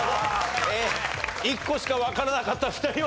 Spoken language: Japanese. １個しかわからなかった２人は。